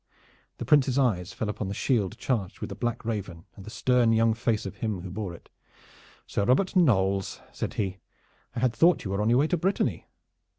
The Prince's eyes fell upon the shield charged with the Black Raven and the stern young face of him who bore it. "Sir Robert Knolles," said he, "I had thought you were on your way to Brittany."